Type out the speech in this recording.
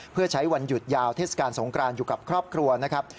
เพื่อใช้วันหยุดยาวเทศกาลสงครานอยู่กับครอบครัวนะครับ